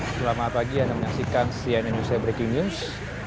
selamat pagi anda menyaksikan cnn indonesia breaking news